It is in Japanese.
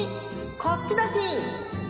こっちだしん！